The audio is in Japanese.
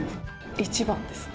一番ですね。